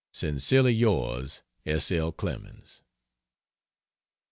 Sincerely yours, S. L. CLEMENS.